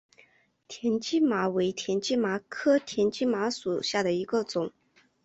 田基麻为田基麻科田基麻属下的一个种。